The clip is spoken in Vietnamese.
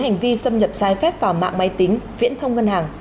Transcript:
giải phép vào mạng máy tính viễn thông ngân hàng